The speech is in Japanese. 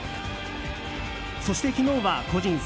そして昨日は個人